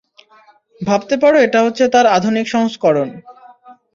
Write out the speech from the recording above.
ভাবতে পারো এটা হচ্ছে তার আধুনিক সংস্করণ।